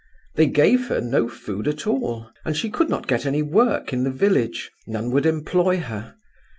They gave her no food at all, and she could not get any work in the village; none would employ her.